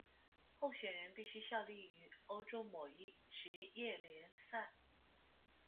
候选人必须效力于欧洲某一职业联赛。